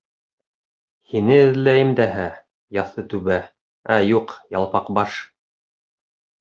— Һине эҙләйем дәһә, Яҫы Түбә, ә юҡ, ялпаҡбаш.